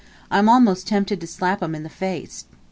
I'm almost tempted to slap 'em in the face!"